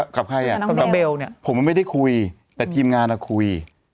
กับใครอ่ะผมไม่ได้คุยแต่ทีมงานเราคุย